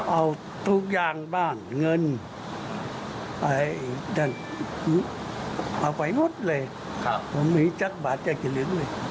เอาไว้งดเลยผมมีจักบัตรอย่างกี่ลึงเลย